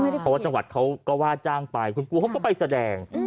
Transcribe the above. เพราะว่าจังหวัดเขาก็ว่าจ้างไปคุณครูเขาก็ไปแสดง